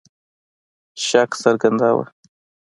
شک څرګنداوه.